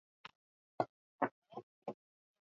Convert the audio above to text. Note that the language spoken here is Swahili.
mbele sura ya kumi na nane aya ya thelathini na moja